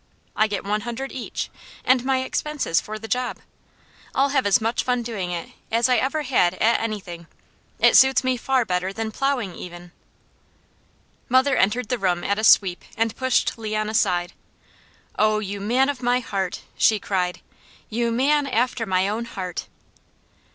I get one hundred each, and my expenses for the job. I'll have as much fun doing it as I ever had at anything. It suits me far better than plowing, even." Mother entered the room at a sweep, and pushed Leon aside. "Oh you man of my heart!" she cried. "You man after my own heart!"